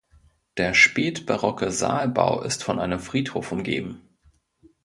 Der spätbarocke Saalbau ist von einem Friedhof umgeben.